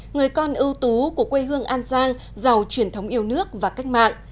người con ưu tú của quê hương an giang giàu truyền thống yêu nước và cách mạng